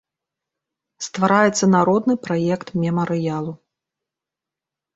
Ствараецца народны праект мемарыялу.